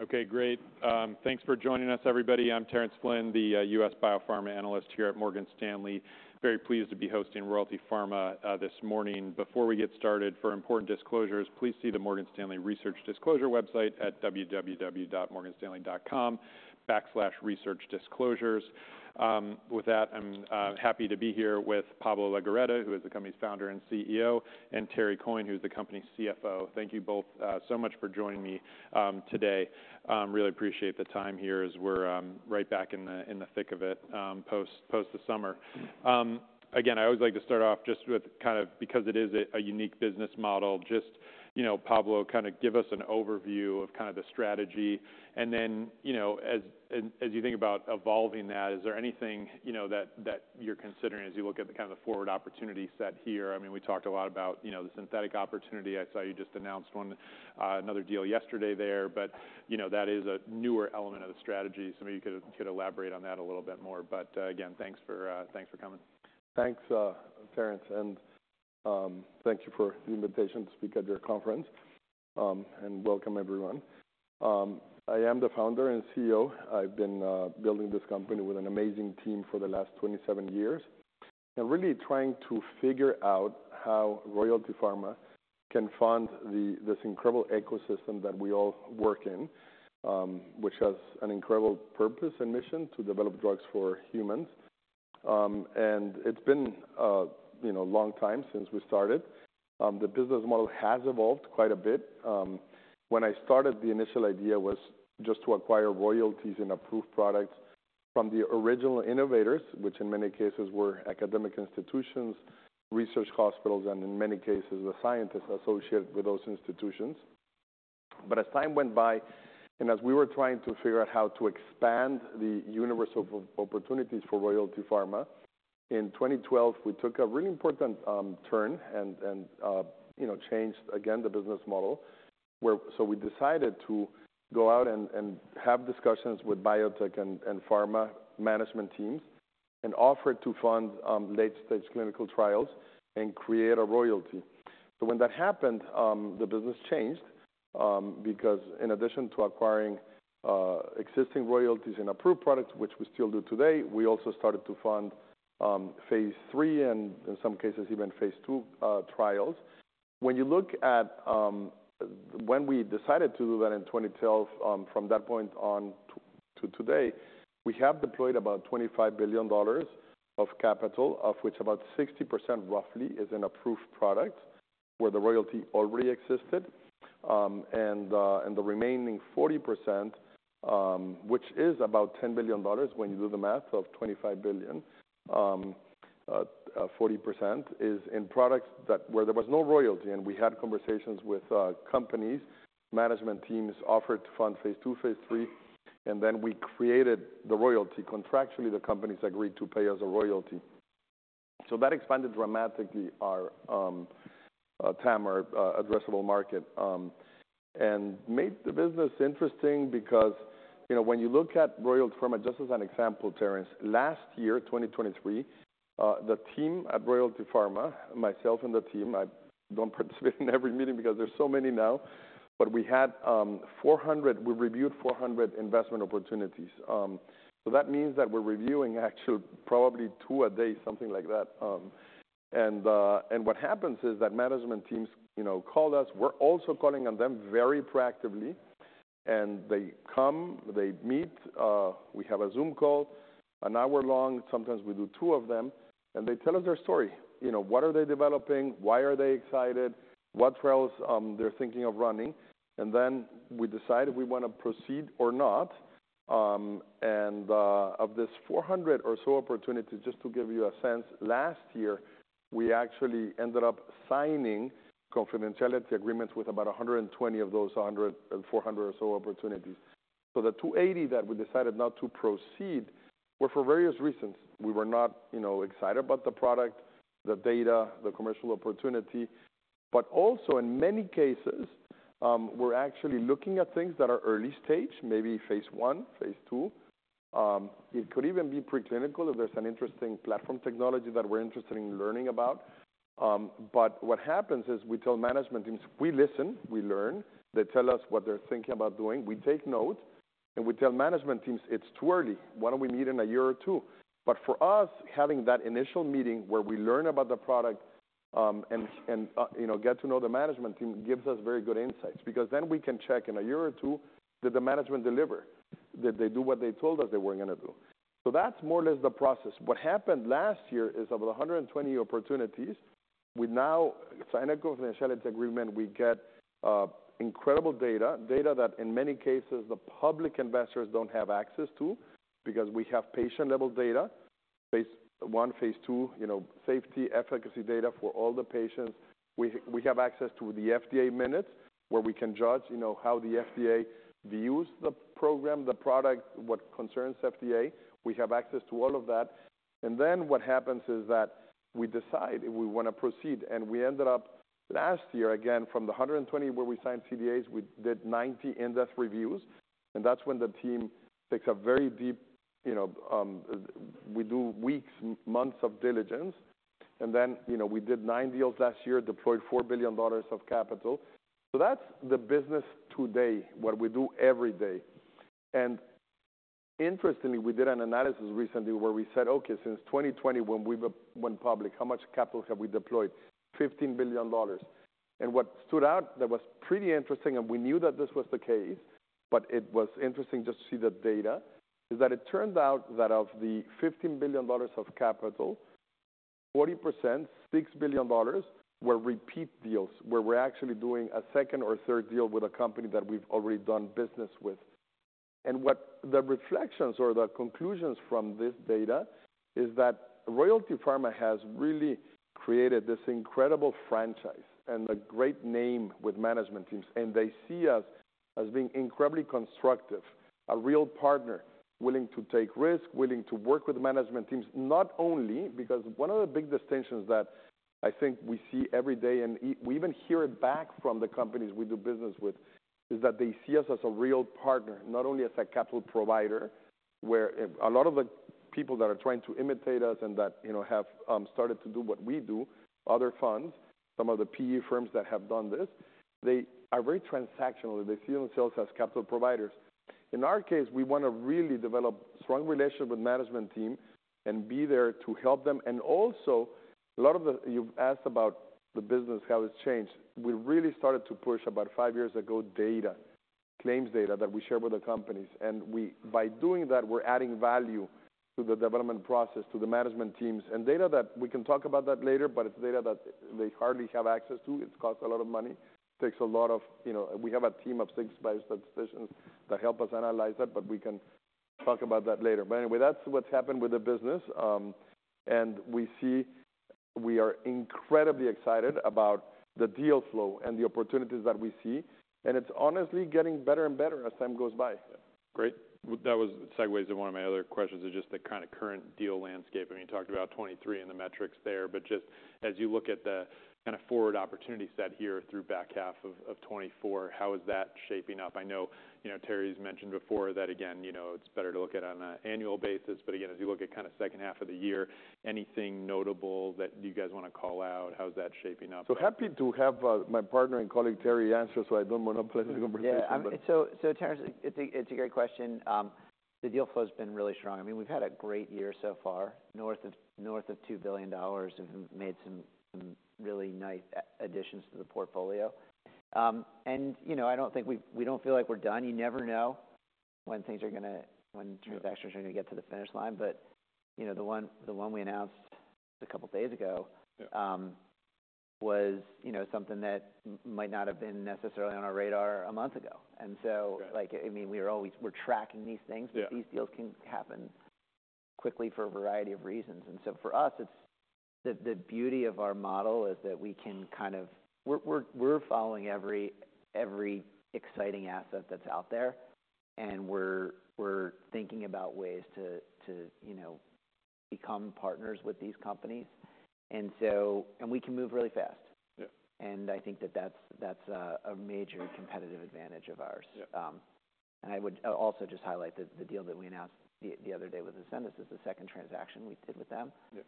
Okay, great. Thanks for joining us, everybody. I'm Terence Flynn, the US Biopharma analyst here at Morgan Stanley. Very pleased to be hosting Royalty Pharma this morning. Before we get started, for important disclosures, please see the Morgan Stanley Research Disclosure website at www.morganstanley.com/researchdisclosures. With that, I'm happy to be here with Pablo Legorreta, who is the company's founder and CEO, and Terry Coyne, who's the company's CFO. Thank you both so much for joining me today. Really appreciate the time here as we're right back in the thick of it post the summer. Again, I always like to start off just with kind of because it is a unique business model, just, you know, Pablo, kind of give us an overview of kind of the strategy, and then, you know, as you think about evolving that, is there anything you know that you're considering as you look at the kind of the forward opportunity set here? I mean, we talked a lot about, you know, the synthetic opportunity. I saw you just announced one, another deal yesterday there, but, you know, that is a newer element of the strategy, so maybe you could elaborate on that a little bit more. But again, thanks for coming. Thanks, Terence, and thank you for the invitation to speak at your conference. And welcome everyone. I am the founder and CEO. I've been building this company with an amazing team for the last 27 years and really trying to figure out how Royalty Pharma can fund this incredible ecosystem that we all work in, which has an incredible purpose and mission to develop drugs for humans. And it's been, you know, a long time since we started. The business model has evolved quite a bit. When I started, the initial idea was just to acquire royalties and approved products from the original innovators, which in many cases were academic institutions, research hospitals, and in many cases, the scientists associated with those institutions. But as time went by, and as we were trying to figure out how to expand the universe of opportunities for Royalty Pharma, in 2012, we took a really important turn and, you know, changed again the business model where... So we decided to go out and have discussions with biotech and pharma management teams and offer to fund late-stage clinical trials and create a royalty. So when that happened, the business changed because in addition to acquiring existing royalties and approved products, which we still do today, we also started to fund phase III, and in some cases, even phase II, trials. When you look at... When we decided to do that in 2012, from that point on to today, we have deployed about $25 billion of capital, of which about 60% roughly is an approved product, where the royalty already existed. And the remaining 40%, which is about $10 billion when you do the math of $25 billion, 40% is in products that where there was no royalty, and we had conversations with companies, management teams, offered to fund phase II, phase III, and then we created the royalty. Contractually, the companies agreed to pay us a royalty. So that expanded dramatically our TAM, our addressable market, and made the business interesting because, you know, when you look at Royalty Pharma, just as an example, Terence, last year, 2023, the team at Royalty Pharma, myself and the team, I don't participate in every meeting because there's so many now, but we had 400. We reviewed 400 investment opportunities. So that means that we're reviewing actually, probably twoa day, something like that. And what happens is that management teams, you know, call us. We're also calling on them very proactively, and they come, they meet, we have a Zoom call, an hour long, sometimes we do two of them, and they tell us their story. You know, what are they developing? Why are they excited? What trials they're thinking of running? And then we decide if we wanna proceed or not. Of this 400 or so opportunities, just to give you a sense, last year, we actually ended up signing confidentiality agreements with about 120 of those 400 or so opportunities. So the 280 that we decided not to proceed were for various reasons. We were not, you know, excited about the product, the data, the commercial opportunity, but also in many cases, we're actually looking at things that are early-stage, maybe phase I, phase II. It could even be preclinical if there's an interesting platform technology that we're interested in learning about. But what happens is we tell management teams, "We listen, we learn." They tell us what they're thinking about doing. We take note, and we tell management teams, "It's too early. Why don't we meet in a year or two?" But for us, having that initial meeting where we learn about the product, and you know, get to know the management team, gives us very good insights because then we can check in a year or two, did the management deliver? Did they do what they told us they were gonna do? So that's more or less the process. What happened last year is, of the 120 opportunities, we now sign a confidentiality agreement. We get incredible data, data that, in many cases, the public investors don't have access to because we have patient-level data, phase I, phase II, you know, safety, efficacy data for all the patients. We have access to the FDA minutes, where we can judge, you know, how the FDA views the program, the product, what concerns FDA. We have access to all of that, and then what happens is that we decide if we wanna proceed, and we ended up last year, again, from the 120 where we signed CDAs. We did 90 in-depth reviews, and that's when the team takes a very deep, you know. We do weeks, months of diligence. And then, you know, we did 9 deals last year, deployed $4 billion of capital. So that's the business today, what we do every day. And interestingly, we did an analysis recently where we said, "Okay, since 2020, when we went public, how much capital have we deployed?" $15 billion. What stood out that was pretty interesting, and we knew that this was the case, but it was interesting just to see the data, is that it turned out that of the $15 billion of capital, 40%, $6 billion, were repeat deals, where we're actually doing a second or third deal with a company that we've already done business with. And what the reflections or the conclusions from this data is that Royalty Pharma has really created this incredible franchise and a great name with management teams, and they see us as being incredibly constructive, a real partner, willing to take risks, willing to work with management teams. Not only... Because one of the big distinctions that I think we see every day, and we even hear it back from the companies we do business with, is that they see us as a real partner, not only as a capital provider, where a lot of the people that are trying to imitate us and that, you know, have started to do what we do, other funds, some of the PE firms that have done this, they are very transactional. They see themselves as capital providers. In our case, we want to really develop strong relationships with management teams and be there to help them. And also, a lot of the... You've asked about the business, how it's changed. We really started to push, about five years ago, data, claims data that we share with the companies, and we- by doing that, we're adding value to the development process, to the management teams, and data that we can talk about that later, but it's data that they hardly have access to. It costs a lot of money, takes a lot of... You know, we have a team of six biostatisticians that help us analyze that, but we can talk about that later. Anyway, that's what's happened with the business, and we see... We are incredibly excited about the deal flow and the opportunities that we see, and it's honestly getting better and better as time goes by. Great. Well, that segues to one of my other questions, is just the kind of current deal landscape. I mean, you talked about 2023 and the metrics there, but just as you look at the kind of forward opportunity set here through back half of 2024, how is that shaping up? I know, you know, Terry's mentioned before that again, you know, it's better to look at it on an annual basis. But again, as you look at kind of H2 of the year, anything notable that you guys want to call out? How's that shaping up? So happy to have, my partner and colleague, Terry, answer so I don't monopolize the conversation. Yeah. So, Terence, it's a great question. The deal flow has been really strong. I mean, we've had a great year so far, north of $2 billion. We've made some really nice additions to the portfolio. And, you know, I don't think we don't feel like we're done. You never know when things are gonna... When sort- Yeah... of extras are gonna get to the finish line. But, you know, the one, the one we announced a couple of days ago- Yeah... was, you know, something that might not have been necessarily on our radar a month ago. Right. And so, like, I mean, we are always tracking these things. Yeah... but these deals can happen quickly for a variety of reasons. And so for us, it's the beauty of our model is that we can kind of... We're following every exciting asset that's out there, and we're thinking about ways to, you know, become partners with these companies. And so... And we can move really fast. Yeah. And I think that that's a major competitive advantage of ours. Yeah. I would also just highlight the deal that we announced the other day with Ascendis. This is the second transaction we did with them. Yeah.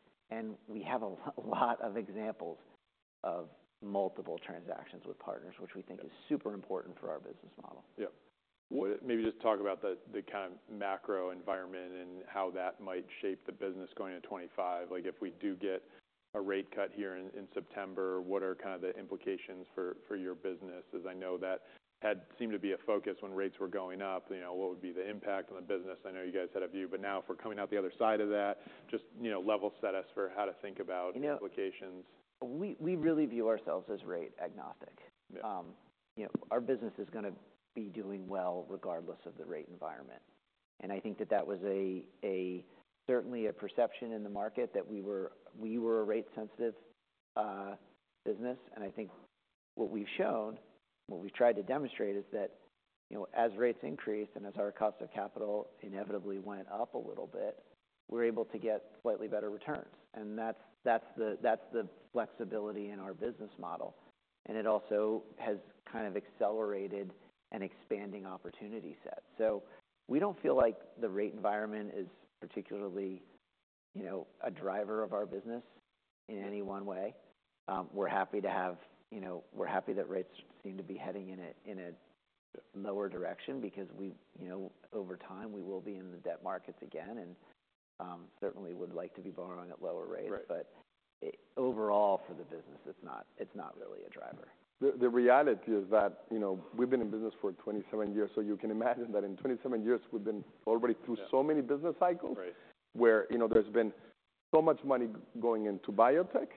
We have a lot of examples of multiple transactions with partners, which we think. Yeah... is super important for our business model. Yeah. Well, maybe just talk about the kind of macro environment and how that might shape the business going into 2025. Like, if we do get a rate cut here in September, what are kind of the implications for your business? As I know, that had seemed to be a focus when rates were going up, you know, what would be the impact on the business? I know you guys had a view, but now, if we're coming out the other side of that, just, you know, level set us for how to think about- You know- -the implications. We really view ourselves as rate agnostic. Yeah. You know, our business is gonna be doing well, regardless of the rate environment, and I think that that was a certainly a perception in the market, that we were a rate-sensitive business. And I think what we've shown, what we've tried to demonstrate, is that, you know, as rates increased and as our cost of capital inevitably went up a little bit, we're able to get slightly better returns, and that's the flexibility in our business model. And it also has kind of accelerated an expanding opportunity set. So we don't feel like the rate environment is particularly, you know, a driver of our business in any one way. We're happy to have, you know, we're happy that rates seem to be heading in a lower direction because we, you know, over time, we will be in the debt markets again, and certainly would like to be borrowing at lower rates. Right. But overall, for the business, it's not really a driver. The reality is that, you know, we've been in business for 27 years, so you can imagine that in 27 years, we've been already through- Yeah... so many business cycles- Right... where, you know, there's been so much money going into biotech,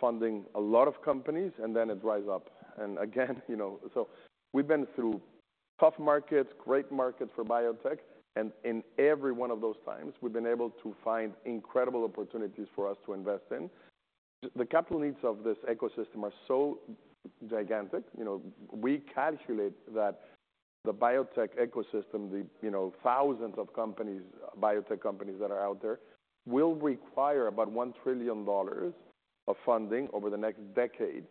funding a lot of companies, and then it dries up. And again, you know, so we've been through tough markets, great markets for biotech, and in every one of those times, we've been able to find incredible opportunities for us to invest in. The capital needs of this ecosystem are so gigantic. You know, we calculate that the biotech ecosystem, the, you know, thousands of companies, biotech companies that are out there, will require about $1 trillion of funding over the next decade,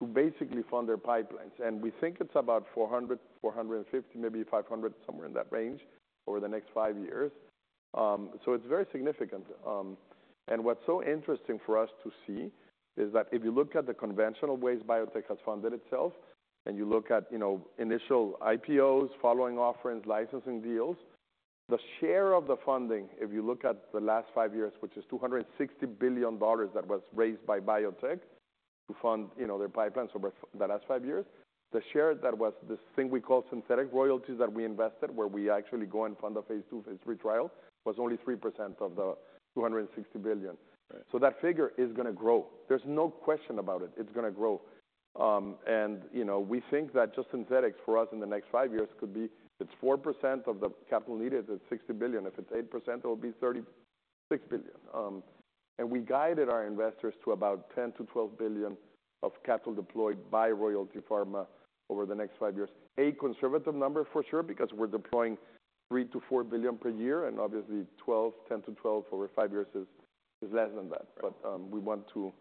to basically fund their pipelines. And we think it's about 400, 450, maybe 500, somewhere in that range, over the next five years. So it's very significant. And what's so interesting for us to see is that if you look at the conventional ways biotech has funded itself, and you look at, you know, initial IPOs, follow-on offerings, licensing deals, the share of the funding, if you look at the last five years, which is $260 billion that was raised by biotech to fund, you know, their pipelines over the last five years. The share that was this thing we call synthetic royalties that we invested, where we actually go and fund a phase II, phase III trial, was only 3% of the $260 billion. Right. So that figure is gonna grow. There's no question about it. It's gonna grow. And, you know, we think that just synthetics for us in the next five years could be, it's 4% of the capital needed, it's $60 billion. If it's 8%, it will be $36 billion. And we guided our investors to about $10-$12 billion of capital deployed by Royalty Pharma over the next five years. A conservative number for sure, because we're deploying $3-$4 billion per year, and obviously $10-$12 over five years is less than that. Right. But, we want to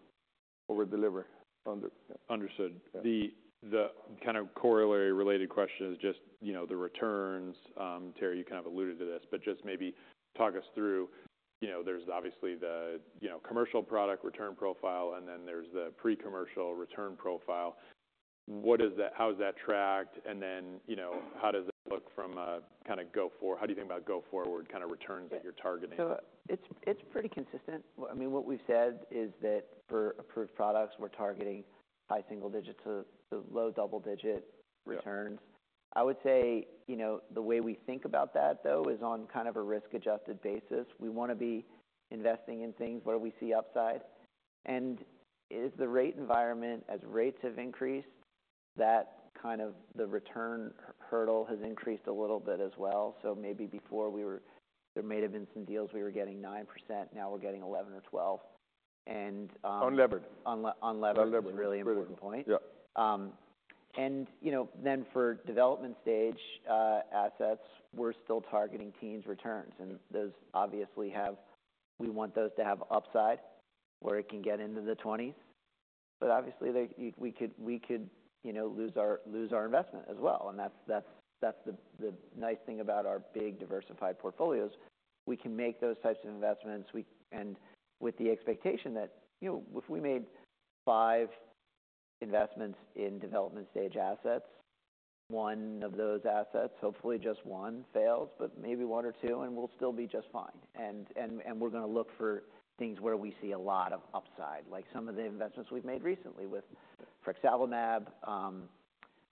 over deliver on the- Understood. Yeah. The kind of corollary related question is just, you know, the returns. Terry, you kind of alluded to this, but just maybe talk us through, you know, there's obviously you know, commercial product return profile, and then there's the pre-commercial return profile. What is that? How is that tracked? And then, you know, how does it look from a kind of go forward kind of returns that you're targeting? So it's pretty consistent. Well, I mean, what we've said is that for approved products, we're targeting high single digits to low double-digit- Yeah Returns. I would say, you know, the way we think about that, though, is on kind of a risk-adjusted basis. We wanna be investing in things where we see upside, and if the rate environment, as rates have increased, that kind of the return hurdle has increased a little bit as well. So maybe before, there may have been some deals, we were getting 9%, now we're getting 11 or 12, and Unlevered. Unle- unlevered- Unlevered... is a really important point. Yeah. And, you know, then for development stage assets, we're still targeting teens returns, and those obviously have... We want those to have upside, where it can get into the twenties. But obviously, they, we could, you know, lose our investment as well. And that's the nice thing about our big diversified portfolios. We can make those types of investments, and with the expectation that, you know, if we made five investments in development stage assets, one of those assets, hopefully just one, fails, but maybe one or two, and we'll still be just fine. We're gonna look for things where we see a lot of upside, like some of the investments we've made recently with Frexalimab,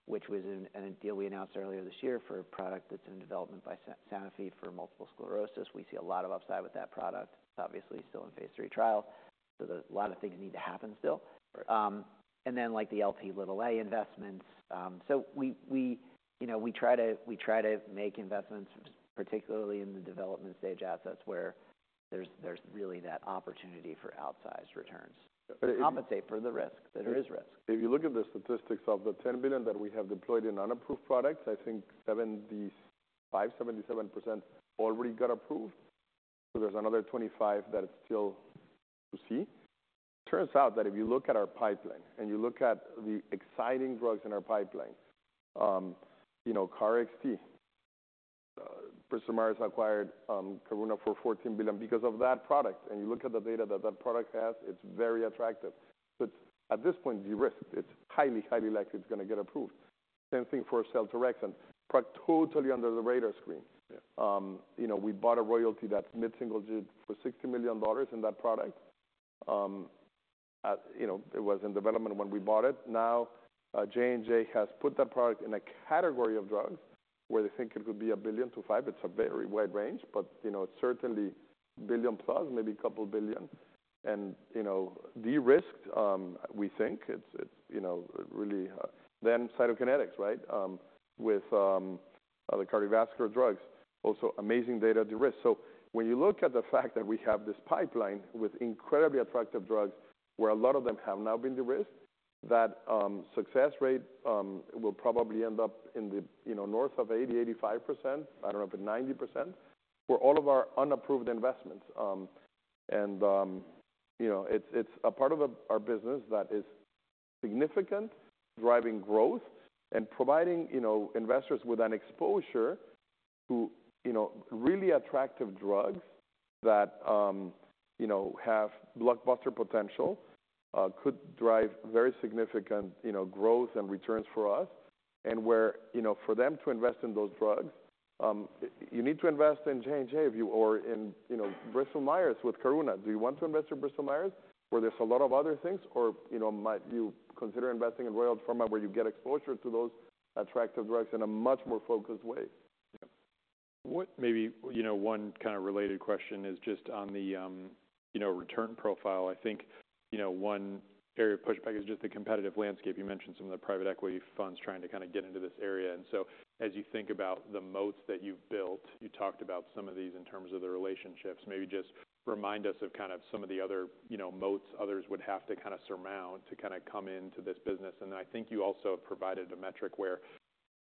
which was in a deal we announced earlier this year for a product that's in development by Sanofi for multiple sclerosis. We see a lot of upside with that product. It's obviously still in phase III trial, so there's a lot of things that need to happen still. Then, like the Lp(a) investments. So we, you know, we try to make investments, particularly in the development stage assets, where there's really that opportunity for outsized returns- If- to compensate for the risk, that there is risk. If you look at the statistics of the $10 billion that we have deployed in unapproved products, I think 75%-77% already got approved. So there's another 25% that is still to see. Turns out that if you look at our pipeline, and you look at the exciting drugs in our pipeline, you know, KarXT, Bristol Myers acquired Karuna for $14 billion because of that product. And you look at the data that that product has, it's very attractive. But at this point, de-risked, it's highly, highly likely it's gonna get approved. Same thing for Seltorexant, product totally under the radar screen. Yeah. You know, we bought a royalty that's mid-single digits for $60 million in that product. You know, it was in development when we bought it. Now, J&J has put that product in a category of drugs where they think it could be $1 billion to $5 billion. It's a very wide range, but, you know, it's certainly billion plus, maybe a couple billion. And, you know, de-risked, we think it's, you know, really. Then Cytokinetics, right? With other cardiovascular drugs, also amazing data de-risk. So when you look at the fact that we have this pipeline with incredibly attractive drugs, where a lot of them have now been de-risked, that success rate will probably end up in the, you know, north of 80%-85%, I don't know, up to 90%, for all of our unapproved investments. You know, it's a part of our business that is significant, driving growth, and providing, you know, investors with an exposure to, you know, really attractive drugs that, you know, have blockbuster potential. Could drive very significant, you know, growth and returns for us. And where, you know, for them to invest in those drugs, you need to invest in J&J if you... Or in, you know, Bristol Myers with Karuna. Do you want to invest in Bristol Myers, where there's a lot of other things, or, you know, might you consider investing in Royalty Pharma, where you get exposure to those attractive drugs in a much more focused way? Yeah. What maybe, you know, one kind of related question is just on the return profile. I think, you know, one area of pushback is just the competitive landscape. You mentioned some of the private equity funds trying to kind of get into this area. And so as you think about the moats that you've built, you talked about some of these in terms of the relationships. Maybe just remind us of kind of some of the other, you know, moats others would have to kind of surmount to kind of come into this business. And I think you also have provided a metric where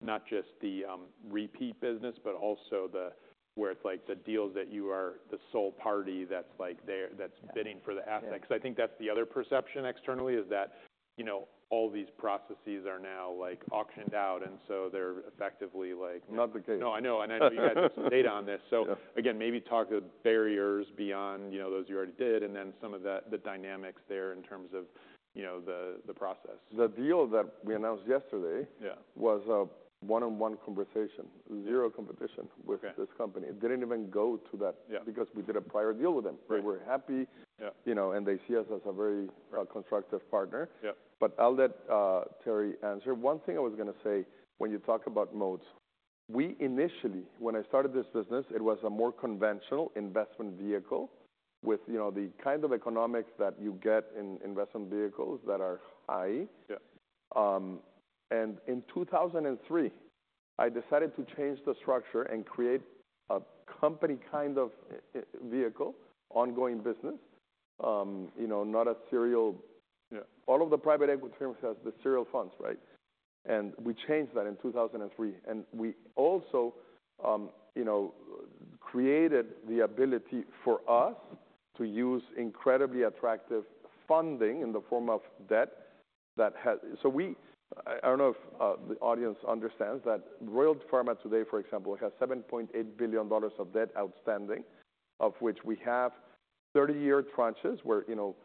not just the repeat business, but also the where it's like the deals that you are the sole party that's like there- Yeah. That's bidding for the asset. Yeah. 'Cause I think that's the other perception externally, is that, you know, all these processes are now, like, auctioned out, and so they're effectively like- Not the case. No, I know, and I know you guys have some data on this. Yeah. So again, maybe talk to the barriers beyond, you know, those you already did, and then some of the dynamics there in terms of, you know, the process. The deal that we announced yesterday- Yeah Was a one-on-one conversation, zero competition. Okay... with this company. It didn't even go to that- Yeah Because we did a prior deal with them. Right. They were happy- Yeah... you know, and they see us as a very, constructive partner. Yeah. But I'll let Terry answer. One thing I was gonna say, when you talk about moats, we initially. When I started this business, it was a more conventional investment vehicle with, you know, the kind of economics that you get in investment vehicles that are high. Yeah. And in 2003, I decided to change the structure and create a company kind of vehicle, ongoing business, you know, not a serial. Yeah. All of the private equity firms has the serial funds, right? And we changed that in 2003, and we also, you know, created the ability for us to use incredibly attractive funding in the form of debt that has... So we, I, I don't know if the audience understands that Royalty Pharma today, for example, has $7.8 billion of debt outstanding, of which we have 30-year tranches where, you know...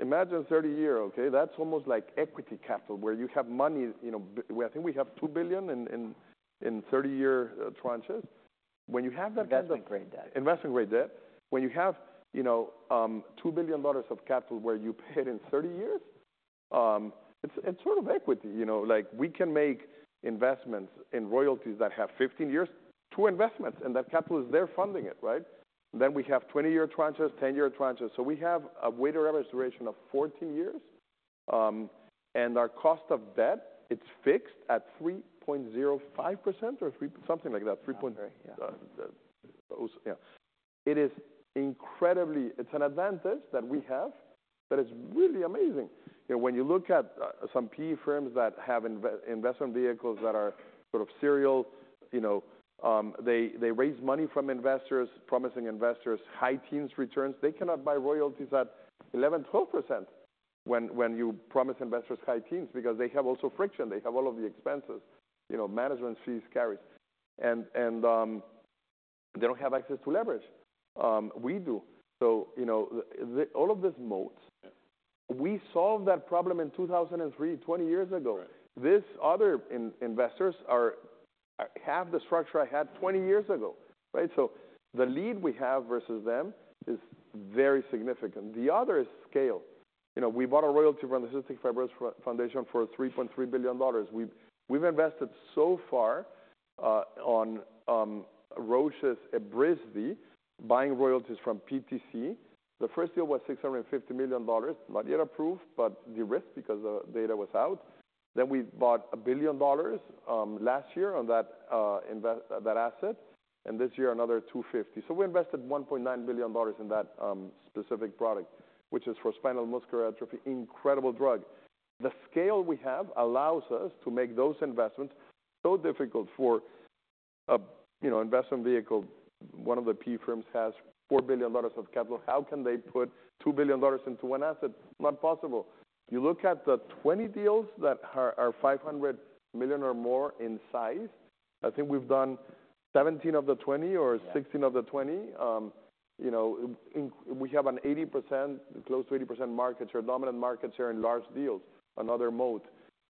Imagine 30-year, okay? That's almost like equity capital, where you have money, you know, I think we have $2 billion in, in, in 30-year tranches. When you have that kind of- Investment-grade debt. Investment-grade debt. When you have, you know, $2 billion of capital where you pay it in thirty years, it's, it's sort of equity, you know. Like, we can make investments in royalties that have 15 years, two investments, and that capital is there funding it, right? Then we have 20-year tranches, 10-year tranches, so we have a weighted average duration of 14 years. And our cost of debt, it's fixed at 3.05% or three, something like that, three point- Yeah. Close, yeah. It is incredibly... It's an advantage that we have, that is really amazing. You know, when you look at some PE firms that have investment vehicles that are sort of serial, you know, they raise money from investors, promising investors high-teens returns. They cannot buy royalties at 11%-12% when you promise investors high-teens, because they have also friction. They have all of the expenses, you know, management fees, carries, and they don't have access to leverage. We do. So, you know, all of this moats- Yeah We solved that problem in 2003, 20 years ago. Right. These other investors are, have the structure I had 20 years ago, right? So the lead we have versus them is very significant. The other is scale. You know, we bought a royalty from the Cystic Fibrosis Foundation for $3.3 billion. We've, we've invested so far, on, Roche's Evrysdi, buying royalties from PTC. The first deal was $650 million, not yet approved, but de-risked because the data was out. Then we bought $1 billion, last year on that, that asset, and this year, another $250 million. So we invested $1.9 billion in that, specific product, which is for spinal muscular atrophy. Incredible drug! The scale we have allows us to make those investments so difficult for a, you know, investment vehicle. One of the PE firms has $4 billion of capital. How can they put $2 billion into one asset? Not possible. You look at the 20 deals that are 500 million or more in size, I think we've done 17 of the 20 or- Yeah 16 of the 20. You know, we have an 80%, close to 80% market share, dominant market share in large deals, another moat.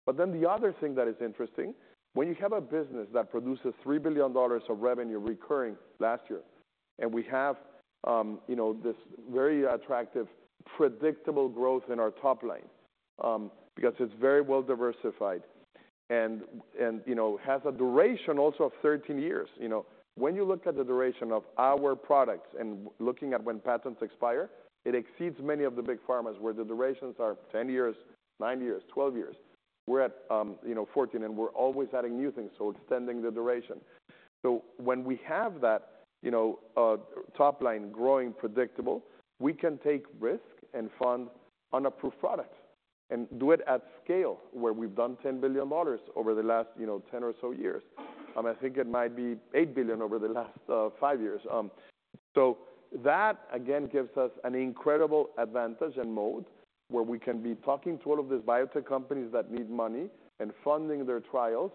But then the other thing that is interesting, when you have a business that produces $3 billion of revenue recurring last year, and we have, you know, this very attractive, predictable growth in our top line, because it's very well diversified and, and, you know, has a duration also of 13 years. You know, when you look at the duration of our products and looking at when patents expire, it exceeds many of the big pharmas, where the durations are 10 years, nine years, 12 years. We're at, you know, 14, and we're always adding new things, so extending the duration. So when we have that, you know, top line growing predictable, we can take risk and fund unapproved products and do it at scale, where we've done $10 billion over the last, you know, 10 or so years. I think it might be $8 billion over the last five years. So that, again, gives us an incredible advantage and moat, where we can be talking to all of these biotech companies that need money and funding their trials,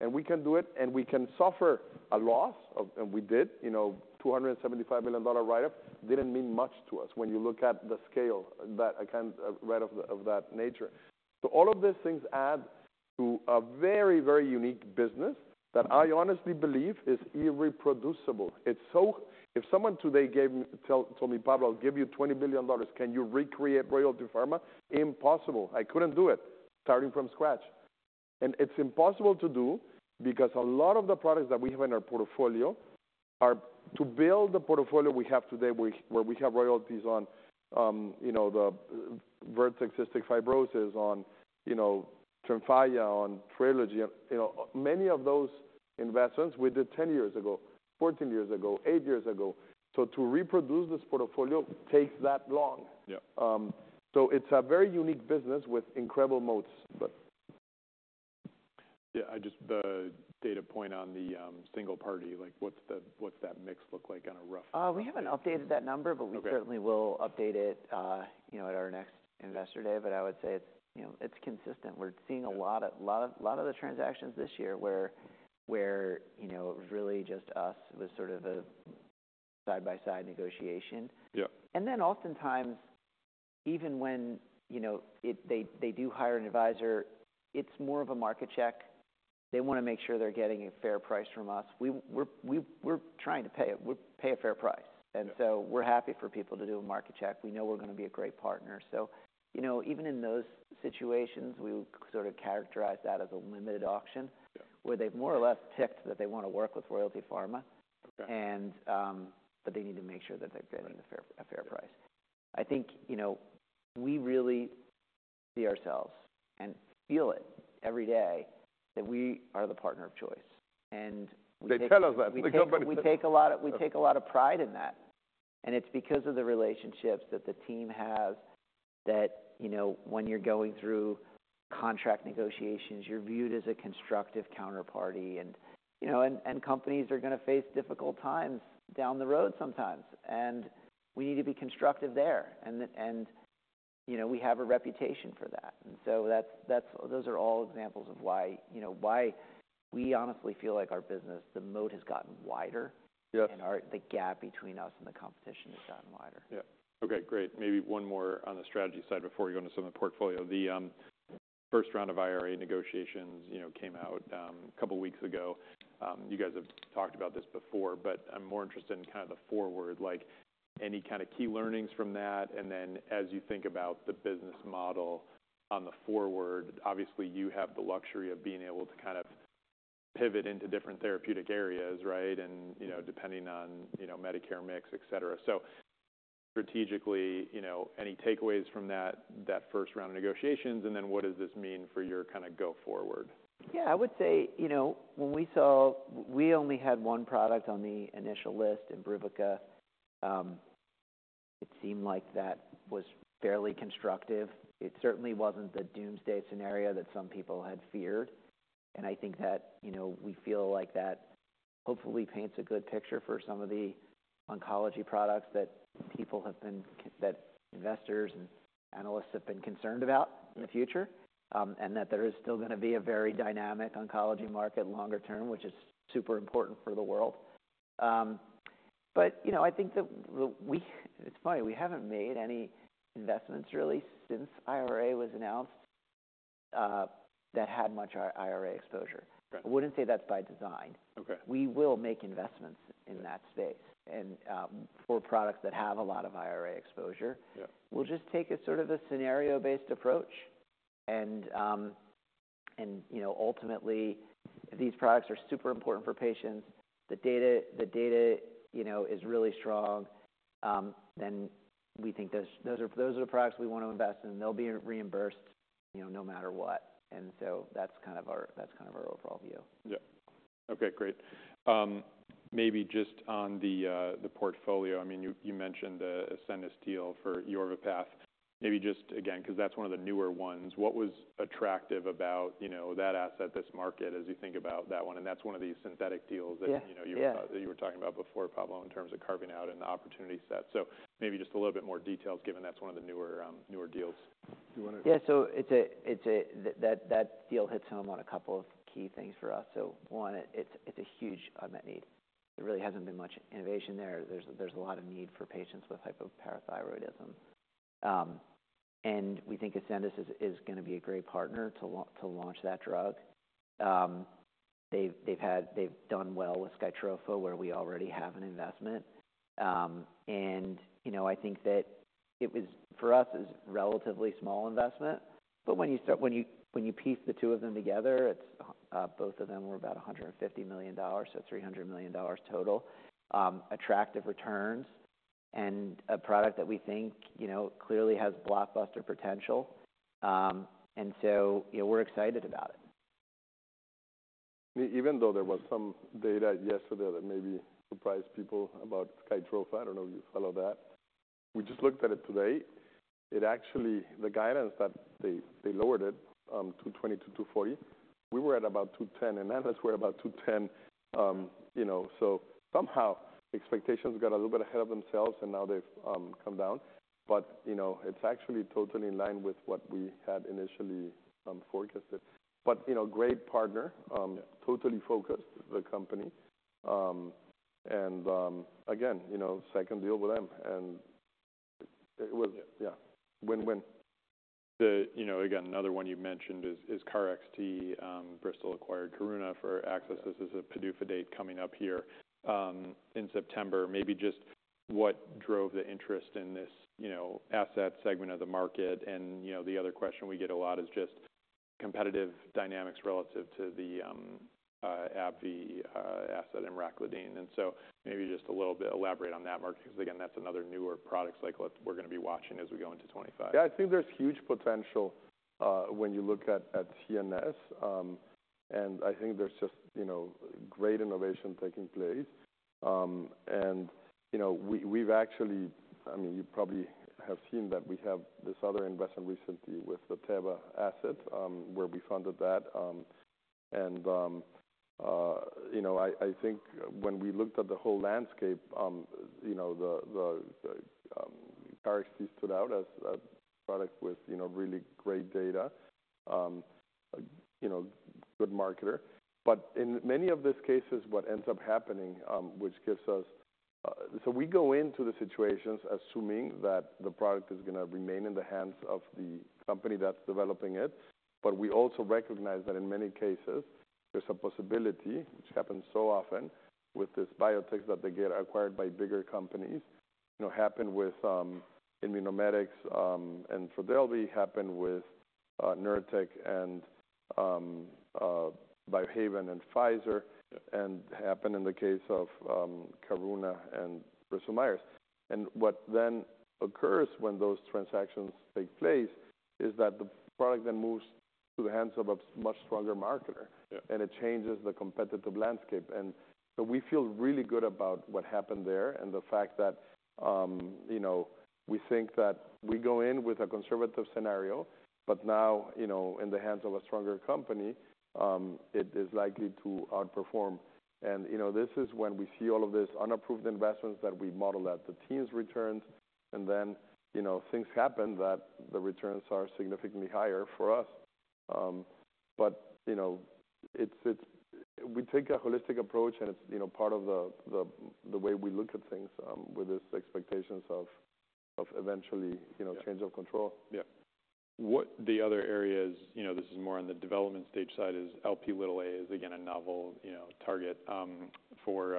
and we can do it, and we can suffer a loss of... and we did, you know, $275 million dollar write-up. Didn't mean much to us when you look at the scale, that kind of, write-off of that nature. So all of these things add to a very, very unique business that I honestly believe is irreproducible. If someone today told me, "Pablo, I'll give you $20 billion, can you recreate Royalty Pharma?" Impossible. I couldn't do it, starting from scratch. And it's impossible to do because a lot of the products that we have in our portfolio are... To build the portfolio we have today, where we have royalties on, you know, the Vertex cystic fibrosis on, you know, Tremfya, on Trelegy, you know, many of those investments we did 10 years ago, 14 years ago, eight years ago. So to reproduce this portfolio takes that long. Yeah. It's a very unique business with incredible moats, but. Yeah, I just the data point on the single payer, like, what's that mix look like roughly? We haven't updated that number- Okay. But we certainly will update it, you know, at our next investor day. But I would say it's, you know, it's consistent. We're seeing a lot of the transactions this year where, you know, really just us with sort of a side-by-side negotiation. Yeah. And then oftentimes, even when, you know, they do hire an advisor, it's more of a market check. They wanna make sure they're getting a fair price from us. We're trying to pay a fair price. Yeah. And so we're happy for people to do a market check. We know we're gonna be a great partner. So, you know, even in those situations, we would sort of characterize that as a limited auction- Yeah... where they've more or less ticked that they wanna work with Royalty Pharma. Okay. But they need to make sure that they're getting a fair price. I think, you know, we really see ourselves and feel it every day, that we are the partner of choice, and- They tell us that. We take a lot of pride in that, and it's because of the relationships that the team has, that, you know, when you're going through contract negotiations, you're viewed as a constructive counterparty. And, you know, companies are gonna face difficult times down the road sometimes, and we need to be constructive there. You know, we have a reputation for that. And so those are all examples of why, you know, why we honestly feel like our business, the moat has gotten wider. Yeah. The gap between us and the competition has gotten wider. Yeah. Okay, great. Maybe one more on the strategy side before we go into some of the portfolio. The first round of IRA negotiations, you know, came out a couple of weeks ago. You guys have talked about this before, but I'm more interested in kind of the forward, like any kind of key learnings from that. And then as you think about the business model on the forward, obviously, you have the luxury of being able to kind of pivot into different therapeutic areas, right? And, you know, depending on, you know, Medicare mix, etc. So strategically, you know, any takeaways from that, that first round of negotiations, and then what does this mean for your kind of go forward? Yeah, I would say, you know, when we saw... We only had one product on the initial list, Imbruvica. It seemed like that was fairly constructive. It certainly wasn't the doomsday scenario that some people had feared, and I think that, you know, we feel like that hopefully paints a good picture for some of the oncology products that people have been - that investors and analysts have been concerned about- Yeah... in the future, and that there is still gonna be a very dynamic oncology market longer term, which is super important for the world, but you know, I think that it's funny, we haven't made any investments really since IRA was announced that had much IRA exposure. Right. I wouldn't say that's by design. Okay. We will make investments in that space and, for products that have a lot of IRA exposure. Yeah. We'll just take a sort of a scenario-based approach and, you know, ultimately, these products are super important for patients. The data, you know, is really strong, and we think those are the products we want to invest in. They'll be reimbursed, you know, no matter what. And so that's kind of our overall view. Yeah. Okay, great. Maybe just on the portfolio. I mean, you mentioned the Ascendis deal for Yorvipath. Maybe just again, 'cause that's one of the newer ones. What was attractive about, you know, that asset, this market, as you think about that one? And that's one of the synthetic deals that- Yeah, yeah... you know, you were talking about before, Pablo, in terms of carving out and the opportunity set. So maybe just a little bit more details, given that's one of the newer deals. Do you want to- Yeah, so it's a... That deal hits home on a couple of key things for us. So one, it's a huge unmet need. There really hasn't been much innovation there. There's a lot of need for patients with hypoparathyroidism. And we think Ascendis is gonna be a great partner to launch that drug. They've done well with Skytrofa, where we already have an investment. And, you know, I think that it was... For us, it was a relatively small investment, but when you piece the two of them together, it's both of them were about $150 million, so $300 million total. Attractive returns and a product that we think, you know, clearly has blockbuster potential. And so, you know, we're excited about it. Even though there was some data yesterday that maybe surprised people about Skytrofa, I don't know if you follow that. We just looked at it today. It actually, the guidance that they lowered it to $220-$240. We were at about $210, and analysts were about $210. You know, so somehow expectations got a little bit ahead of themselves, and now they've come down. But, you know, it's actually totally in line with what we had initially forecasted. But, you know, great partner, totally focused company. And, again, you know, second deal with them, and it was- Yeah... yeah, win-win. You know, again, another one you mentioned is KarXT. Bristol acquired Karuna for access. This is a PDUFA date coming up here in September. Maybe just what drove the interest in this, you know, asset segment of the market. And, you know, the other question we get a lot is just competitive dynamics relative to the AbbVie asset in emraclidine. And so maybe just a little bit elaborate on that market, because, again, that's another newer product cycle that we're gonna be watching as we go into 2025. Yeah, I think there's huge potential when you look at CNS, and I think there's just, you know, great innovation taking place. And, you know, we, we've actually, I mean, you probably have seen that we have this other investment recently with the Teva asset, where we funded that. And, you know, I, I think when we looked at the whole landscape, you know, the KarXT stood out as a product with, you know, really great data. You know, good marketer. But in many of these cases, what ends up happening, which gives us, so we go into the situations assuming that the product is gonna remain in the hands of the company that's developing it. But we also recognize that in many cases, there's a possibility, which happens so often with these biotechs, that they get acquired by bigger companies. You know, happened with, Immunomedics, and Gilead. Happened with, Nurtec and, Biohaven and Pfizer, and happened in the case of, Karuna and Bristol-Myers. And what then occurs when those transactions take place is that the product then moves to the hands of a much stronger marketer. Yeah. And it changes the competitive landscape. And so we feel really good about what happened there and the fact that, you know, we think that we go in with a conservative scenario, but now, you know, in the hands of a stronger company, it is likely to outperform. And, you know, this is when we see all of these unapproved investments that we model at the team's returns, and then, you know, things happen that the returns are significantly higher for us. But, you know, we take a holistic approach, and it's, you know, part of the way we look at things, with this expectations of eventually- Yeah... you know, change of control. Yeah. What the other areas, you know, this is more on the development stage side, is Lp(a) is again, a novel, you know, target, for,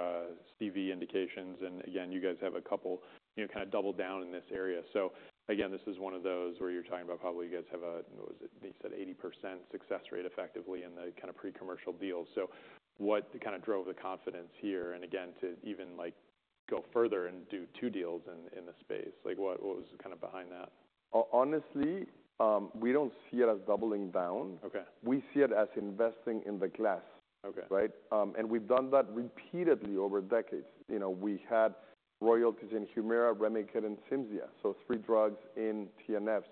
CV indications. And again, you guys have a couple, you know, kind of doubled down in this area. So again, this is one of those where you're talking about how well you guys have a, what was it? You said 80% success rate effectively in the kind of pre-commercial deals. So what kind of drove the confidence here, and again, to even, like, go further and do two deals in the space? Like, what was kind of behind that? Honestly, we don't see it as doubling down. Okay. We see it as investing in the class. Okay. Right? And we've done that repeatedly over decades. You know, we had royalties in Humira, Remicade, and Cimzia, so three drugs in TNFs.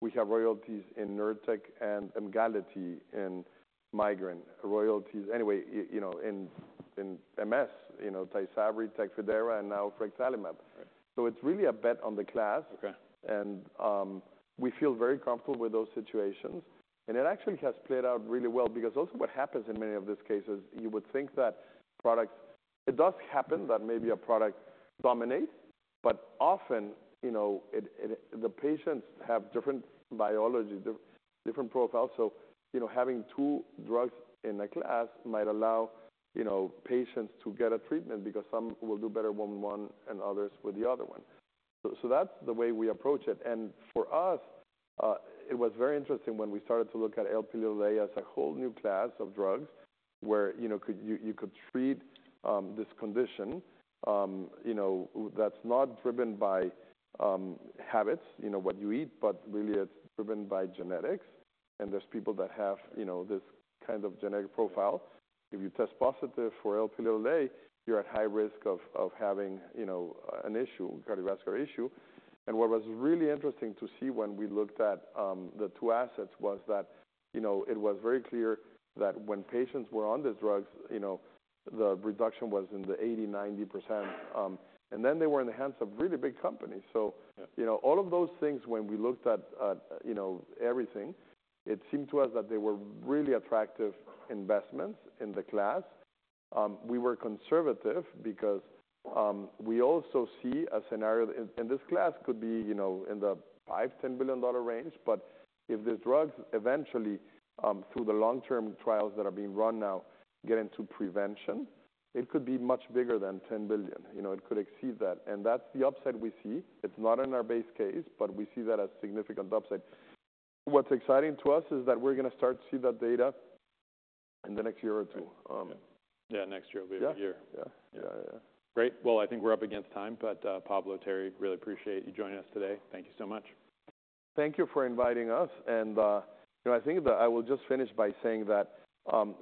We have royalties in Nurtec and Emgality in migraine. Royalties anyway, you know, in MS, you know, Tysabri, Tecfidera, and now Frexalimab. Right. It's really a bet on the class. Okay. We feel very comfortable with those situations, and it actually has played out really well. Because also what happens in many of these cases, you would think that products. It does happen that maybe a product dominates, but often, you know, it, the patients have different biology, different profiles. So, you know, having two drugs in a class might allow, you know, patients to get a treatment because some will do better with one, and others with the other one. So that's the way we approach it. And for us, it was very interesting when we started to look at Lp(a) as a whole new class of drugs where, you know, you could treat this condition. You know, that's not driven by habits, you know, what you eat, but really it's driven by genetics, and there's people that have, you know, this kind of genetic profile. If you test positive for Lp(a), you're at high risk of having, you know, an issue, cardiovascular issue. And what was really interesting to see when we looked at the two assets was that, you know, it was very clear that when patients were on the drugs, you know, the reduction was 80%-90%. And then they were in the hands of really big companies. Yeah. So, you know, all of those things when we looked at, you know, everything, it seemed to us that they were really attractive investments in the class. We were conservative because we also see a scenario, and this class could be, you know, in the $5-$10 billion range. But if the drugs eventually, through the long-term trials that are being run now, get into prevention, it could be much bigger than $10 billion. You know, it could exceed that, and that's the upside we see. It's not in our base case, but we see that as significant upside. What's exciting to us is that we're gonna start to see that data in the next year or two. Yeah, next year will be your year. Yeah. Yeah, yeah. Great! Well, I think we're up against time, but, Pablo, Terry, really appreciate you joining us today. Thank you so much. Thank you for inviting us, and you know, I think that I will just finish by saying that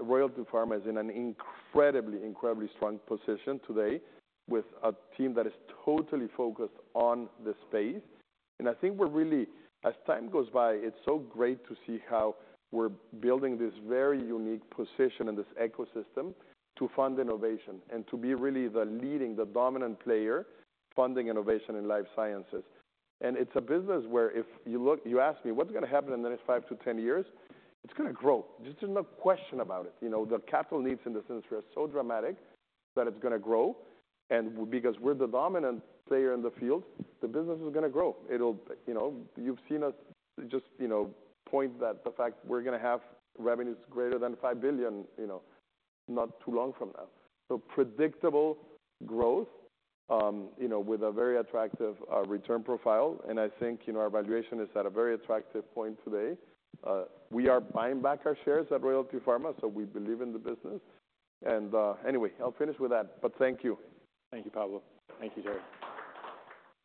Royalty Pharma is in an incredibly, incredibly strong position today with a team that is totally focused on the space. And I think we're really as time goes by, it's so great to see how we're building this very unique position in this ecosystem to fund innovation and to be really the leading, the dominant player, funding innovation in life sciences. And it's a business where if you look. You ask me: What's gonna happen in the next five to 10 years? It's gonna grow. There's no question about it. You know, the capital needs in this industry are so dramatic that it's gonna grow. And because we're the dominant player in the field, the business is gonna grow. It'll... You know, you've seen us just, you know, point that the fact we're gonna have revenues greater than $5 billion, you know, not too long from now, so predictable growth, you know, with a very attractive return profile, and I think, you know, our valuation is at a very attractive point today. We are buying back our shares at Royalty Pharma, so we believe in the business, and anyway, I'll finish with that, but thank you. Thank you, Pablo. Thank you, Terry.